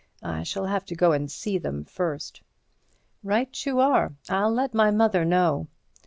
I shall have to go and see them first." "Right you are; I'll let my mother know."